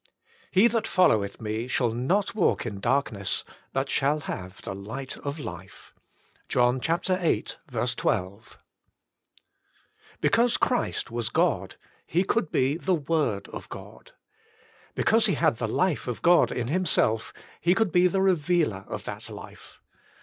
He that followeth Me shall not walk in darkness, but shall have the Light of Life."— John viii. 12. Because Christ was God, He could be the Word of God. Because He had the Life of God in Himself, He could be the revealer of that Life.